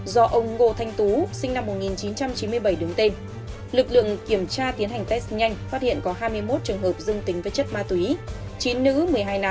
do ông ngô thanh tú sinh năm một nghìn chín trăm chín mươi bảy đứng tên lực lượng kiểm tra tiến hành test nhanh phát hiện có hai mươi một trường hợp dương tính với chất ma túy chín nữ một mươi hai nam nữ